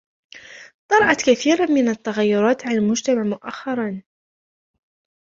طرأت كثير من التغيرات على المجتمع مؤخرًا.